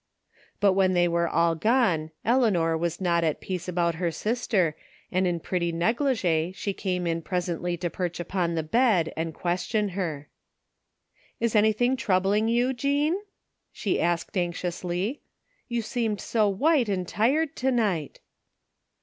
But when they were all gone Eleanor was not at peace about her sister and in pretty negligee she came in presently to perch upon the bed and question her. " Is anything troubling you, Jean? " she asked anxiously. " You seemed so white and tired to night